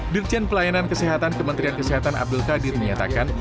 dirjen pelayanan kesehatan kementerian kesehatan abdul qadir menyatakan